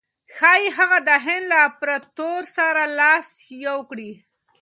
ښایي هغه د هند له امپراطور سره لاس یو کړي.